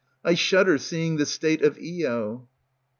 I shudder, seeing the state of Io.